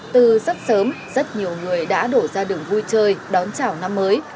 từ rất sớm rất nhiều người đã đổ ra đường vui chơi đón chào năm mới